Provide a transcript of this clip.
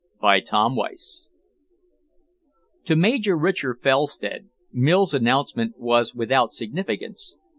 CHAPTER XXVIII To Major Richard Felstead, Mills' announcement was without significance.